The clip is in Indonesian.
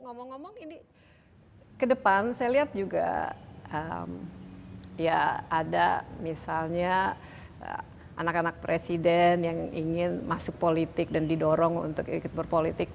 ngomong ngomong ini ke depan saya lihat juga ya ada misalnya anak anak presiden yang ingin masuk politik dan didorong untuk ikut berpolitik